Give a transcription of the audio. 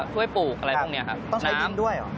ช่วยปลูกอะไรพวกนี้ครับต้องใช้น้ำด้วยเหรอ